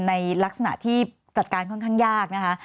ในลักษณะที่จัดการค่อนข้างยากนะคะ